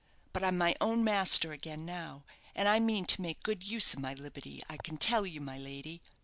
But I'm my own master again now; and I mean to make good use of my liberty, I can tell you, my lady.